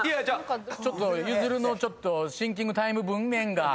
ゆずるのちょっとシンキングタイム分「麺」が。